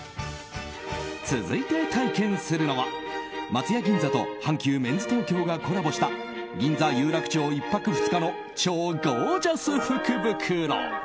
続いて体験するのは松屋銀座と阪急メンズ東京がコラボした銀座・有楽町１泊２日の超ゴージャス福袋。